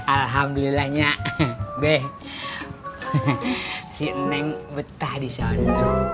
alhamdulillahnya si neng betah disana